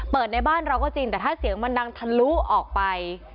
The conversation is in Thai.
ในบ้านเราก็จริงแต่ถ้าเสียงมันดังทะลุออกไป